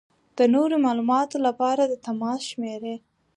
د نورو معلومات لپاره د تماس شمېرې: